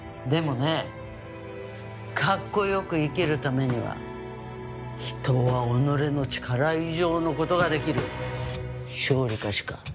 でもねかっこよく生きるためには人は己の力以上の事ができる。「勝利か死か！」